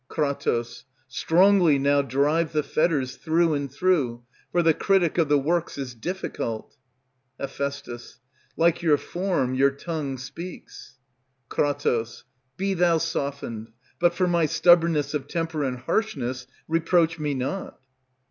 Kr. Strongly now drive the fetters, through and through, For the critic of the works is difficult. Heph. Like your form your tongue speaks. Kr. Be thou softened, but for my stubbornness Of temper and harshness reproach me not.